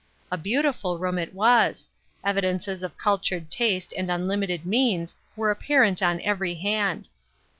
A beau tiful room it was ; evidences of cultured taste and unlimited means were apparent on every hand.